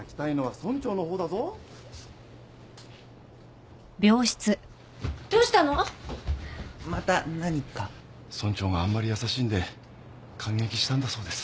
村長があんまり優しいんで感激したんだそうです。